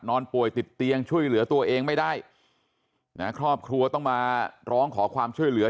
ป่วยติดเตียงช่วยเหลือตัวเองไม่ได้นะครอบครัวต้องมาร้องขอความช่วยเหลือ